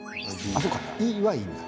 あっそうかＥはいいんだ。